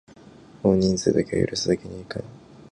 多人数だけは許すわけにはいかん！